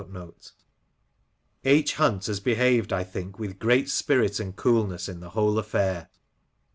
Something assuredly.^ H. Hunt has behaved, I think, with great spirit and coolness in the whole affair.